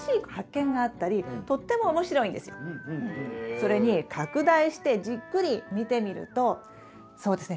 それに拡大してじっくり見てみるとそうですね